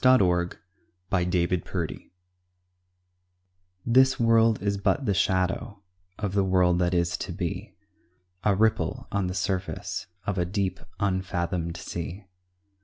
A WORLD REDEEMED This world is but the shadow Of the world that is to be, A ripple on the surface Of a deep, unfathomed sea.